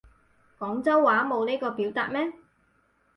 廣州話冇呢個表達咩